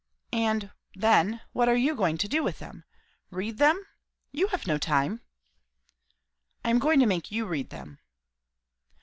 "And then, what are you going to do with them? Read them? You have no time." "I am going to make you read them."